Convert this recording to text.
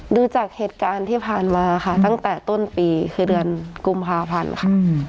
ดูจากเหตุการณ์ที่ผ่านมาค่ะตั้งแต่ต้นปีคือเดือนกุมภาพันธ์ค่ะ